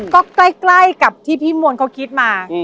ก็ใกล้กับที่พี่มวลเขาคิดมา